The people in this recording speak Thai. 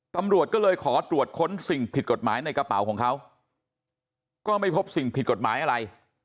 ตำรวจก็เลยขอตรวจค้นสิ่งผิดกฎหมายในกระเป๋าของเขาก็ไม่พบสิ่งผิดกฎหมายอะไร